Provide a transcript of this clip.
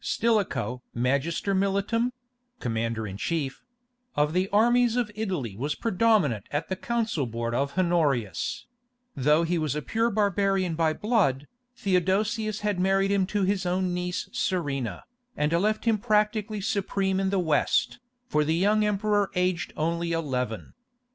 Stilicho Magister militum (commander in chief) of the armies of Italy was predominant at the council board of Honorius; though he was a pure barbarian by blood, Theodosius had married him to his own niece Serena, and left him practically supreme in the West, for the young emperor was aged only eleven.